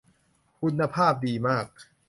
คุณภาพดีมาก